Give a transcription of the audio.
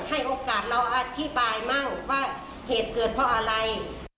ให้โอกาสเราอธิบายมั่งว่าเหตุเกิดเพราะอะไร